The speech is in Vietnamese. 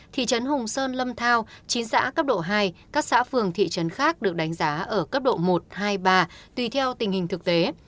thị trấn hùng sơn lâm thao trí giã cấp độ hai các xã phường thị trấn khác được đánh giá ở cấp độ một hai ba tùy theo tình hình thực tế